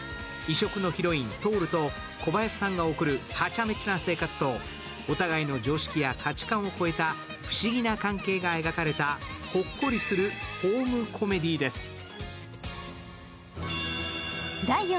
異色のヒロイン、トールと小林さんが送るハチャメチャな生活とお互いの常識や価値観を超えた不思議な関係が描かれたほっこりするホームコメディーです。